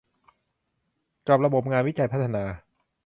กับระบบงานวิจัยพัฒนา